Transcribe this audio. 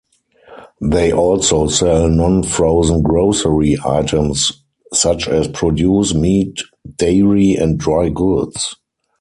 They also sell non-frozen grocery items such as produce, meat, dairy, and dry goods.